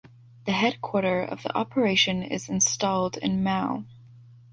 The Headquarter of the operation is installed in Mao.